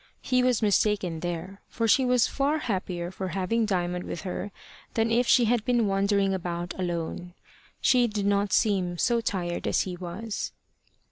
He was mistaken there, for she was far happier for having Diamond with her than if she had been wandering about alone. She did not seem so tired as he was.